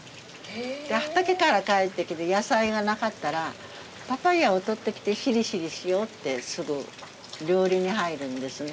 畑から帰ってきて野菜がなかったらパパイアをとってきてしりしりしようってすぐ料理に入るんですね。